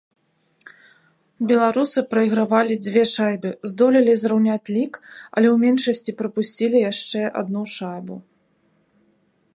Беларусы прайгравалі дзве шайбы, здолелі зраўняць лік, але ў меншасці прапусцілі яшчэ адну шайбу.